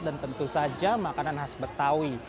dan tentu saja makanan khas betawi